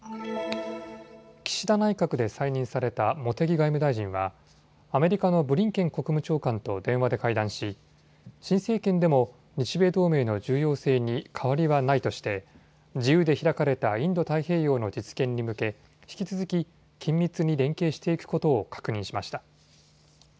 岸田内閣で再任された茂木外務大臣はアメリカのブリンケン国務長官と電話で会談し、新政権でも日米同盟の重要性に変わりはないとして自由で開かれたインド太平洋の実現に向け、引き続き緊密に連携していくことを確認しました。